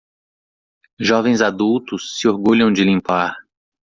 Jovens adultos se orgulham de limpar.